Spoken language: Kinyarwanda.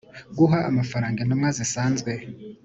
guha amafaranga intumwa zisanzwe